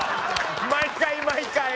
毎回毎回。